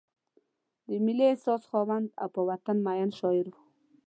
د ملي احساس خاوند او په وطن مین شاعر و.